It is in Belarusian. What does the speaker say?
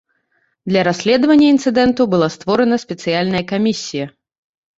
Для расследавання інцыдэнту была створаная спецыяльная камісія.